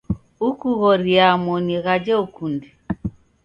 Ukughoriaa moni ghaja ukunde.